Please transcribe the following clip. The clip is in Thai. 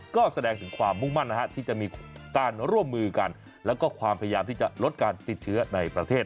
ก็แสดงถึงความมุ่งมั่นที่จะมีการร่วมมือกันแล้วก็ความพยายามที่จะลดการติดเชื้อในประเทศ